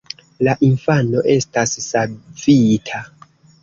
La infano estas savita.